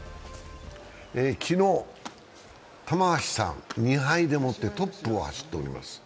昨日、玉鷲さん、２敗でもってトップを走っております。